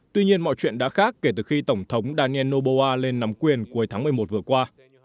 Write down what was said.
tuy nhiên mọi chuyện đã khác kể từ khi tổng thống daniel noboa lên nắm quyền cuối tháng một mươi một vừa qua